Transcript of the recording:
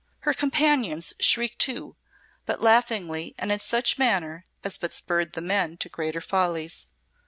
Her companions shrieked too, but laughingly and in such manner as but spurred the men to greater follies.